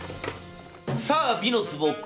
さあ「美の壺」